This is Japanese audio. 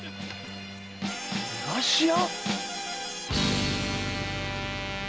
「逃がし屋」？